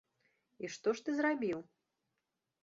І што ж ты зрабіў?